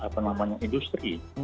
apa namanya industri